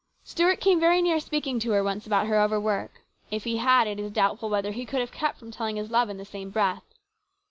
Stuart came very near speaking to her once about her overwork. If he had, it is doubtful whether he could have kept from telling his love in the same breath.